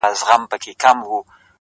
ما د مرگ ورځ به هم هغه ورځ وي،